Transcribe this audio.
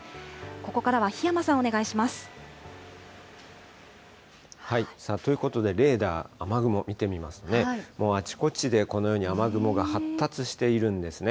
ここからは檜山さんお願いします。ということで、レーダー、雨雲見てみますとね、もうあちこちでこのように雨雲が発達しているんですね。